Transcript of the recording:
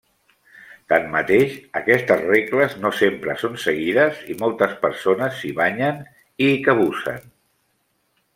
Tanmateix, aquestes regles no sempre són seguides i moltes persones s'hi banyen i hi cabussen.